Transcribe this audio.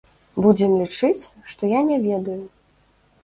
Будзем лічыць, што я не ведаю.